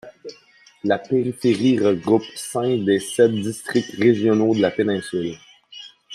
La périphérie regroupe cinq des sept districts régionaux de la péninsule.